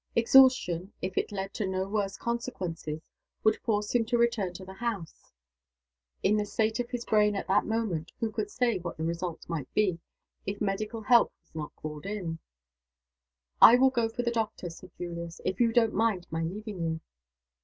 Exhaustion, if it led to no worse consequences, would force him to return to the house. In the state of his brain at that moment who could say what the result might be, if medical help was not called in? "I will go for the doctor," said Julius, "if you don't mind my leaving you."